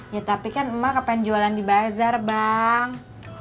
ya tapi kan emak kepen jualan di bazar bang